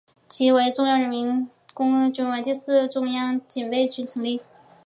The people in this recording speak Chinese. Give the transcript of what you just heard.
其中中国人民公安中央纵队第二师第四团是以中央警备团为主成立。